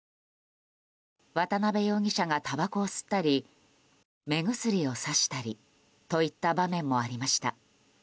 渡邉容疑者がたばこを吸ったり目薬をさしたりといった場面もありました。